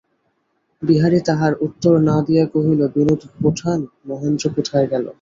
বিহারী তাহার উত্তর না দিয়া কহিল, বিনোদ-বোঠান, মহেন্দ্র কোথায় গেল।